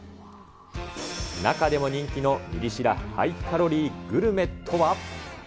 中でも人気のミリ知らハイカロリーグルメとは。